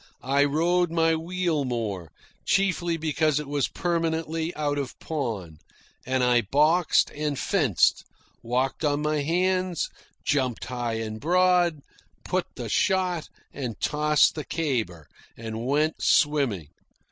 I rode my wheel more, chiefly because it was permanently out of pawn; and I boxed and fenced, walked on my hands, jumped high and broad, put the shot and tossed the caber, and went swimming.